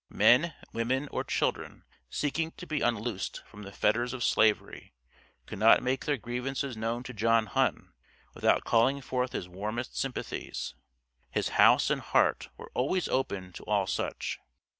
Men, women or children seeking to be unloosed from the fetters of Slavery, could not make their grievances known to John Hunn without calling forth his warmest sympathies. His house and heart were always open to all such.